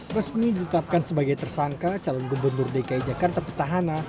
resmi ditetapkan sebagai tersangka calon gubernur dki jakarta petahana